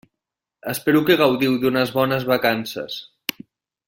Espero que gaudiu d'unes bones vacances.